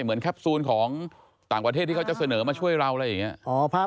เหมือนแคปซูลของต่างประเทศที่เขาจะเสนอมาช่วยเราอะไรอย่างนี้